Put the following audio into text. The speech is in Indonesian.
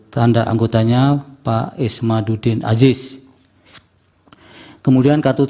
lebih hemat sembilan menit